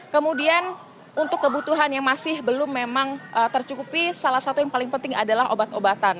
kemudian untuk kebutuhan yang masih belum memang tercukupi salah satu yang paling penting adalah obat obatan